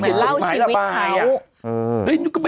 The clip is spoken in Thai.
ฟังลูกครับ